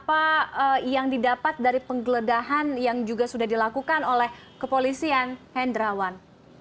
apa yang didapat dari penggeledahan yang juga sudah dilakukan oleh kepolisian hendrawan